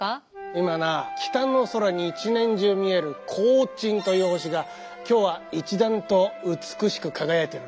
今な北の空に一年中見える勾陳という星が今日は一段と美しく輝いてるな。